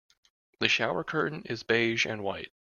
The shower curtain is beige and white.